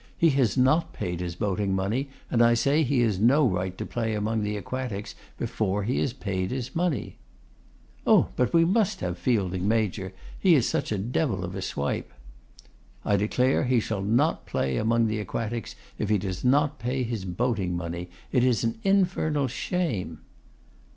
'He has not paid his boating money, and I say he has no right to play among the Aquatics before he has paid his money.' 'Oh! but we must have Fielding major, he is such a devil of a swipe.' 'I declare he shall not play among the Aquatics if he does not pay his boating money. It is an infernal shame.